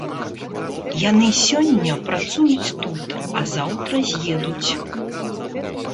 Яны сёння працуюць тут, а заўтра з'едуць.